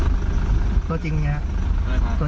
มาอยู่ได้สองเดือนแล้วครับ